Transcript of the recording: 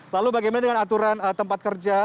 lalu bagaimana dengan aturan tempat kerja